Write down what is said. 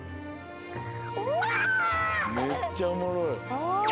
めっちゃおもろい。